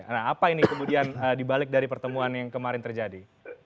nah apa ini kemudian dibalik dari pertemuan yang kemarin terjadi